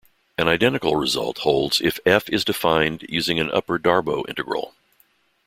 An identical result holds if "F" is defined using an upper Darboux integral.